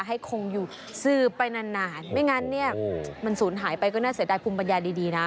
ให้คงอยู่สืบไปนานไม่งั้นเนี่ยมันสูญหายไปก็น่าเสียดายภูมิปัญญาดีนะ